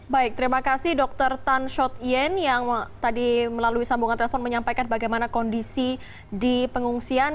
baik terima kasih dokter tan shot yen yang tadi melalui sambungan telepon menyampaikan bagaimana kondisi di pengungsian